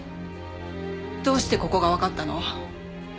どうしてここがわかったの？